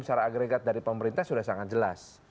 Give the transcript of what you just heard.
secara agregat dari pemerintah sudah sangat jelas